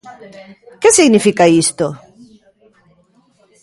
¿Que significa isto?